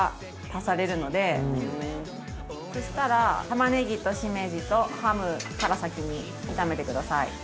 そしたら玉ねぎとしめじとハムから先に炒めてください。